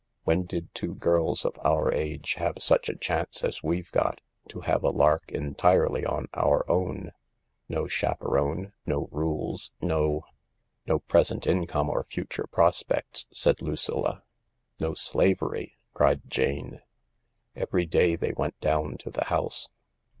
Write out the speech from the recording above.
When did two girls of our age have such a chance as we've got— to have a lark entirely on our own ? No chaperon, no rules, no m ." "No present income or future prospects," said Lucilla. " No slavery !" cried Jane. Every day they went down to the House.